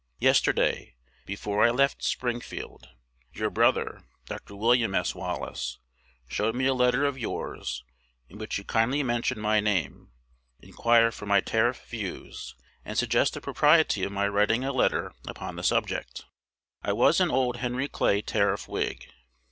Yesterday, before I left Springfield, your brother, Dr. William S. Wallace, showed me a letter of yours, in which you kindly mention my name, inquire for my tariff views, and suggest the propriety of my writing a letter upon the subject. I was an old Henry Clay Tariff Whig.